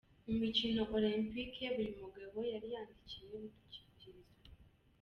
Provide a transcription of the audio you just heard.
Mu mikino olempike buri mugabo yari yandikiwe udukingirizo .